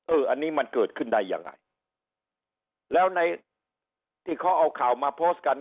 อันนี้มันเกิดขึ้นได้ยังไงแล้วในที่เขาเอาข่าวมาโพสต์กัน